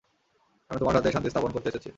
আমি তোমার সাথে শান্তি স্থাপন করতে এসেছি।